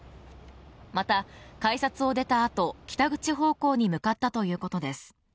また改札を出たあと北口方向に向かったということです